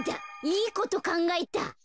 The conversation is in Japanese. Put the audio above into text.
いいことかんがえた。